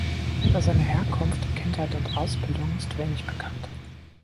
Über seine Herkunft, Kindheit und Ausbildung ist wenig bekannt.